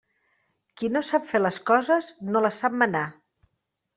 Qui no sap fer les coses, no les sap manar.